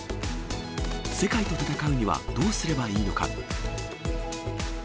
世界と戦うにはどうすればいいのか。